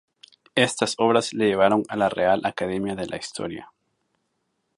Estas obras le llevaron a la Real Academia de la Historia.